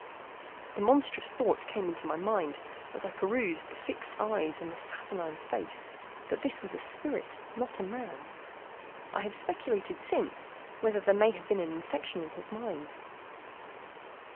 The monstrous thought came into my mind, as I perused the fixed eyes and the saturnine face, that this was a spirit, not a man. I have speculated since, whether there may have been infection in his mind.